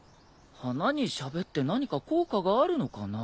花にしゃべって何か効果があるのかな。